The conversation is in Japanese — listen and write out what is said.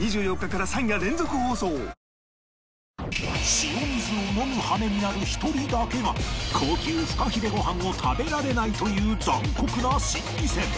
塩水を飲む羽目になる１人だけが高級フカヒレご飯を食べられないという残酷な心理戦